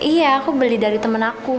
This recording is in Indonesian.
iya aku beli dari temen aku